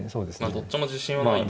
どっちも自信はないんですけど。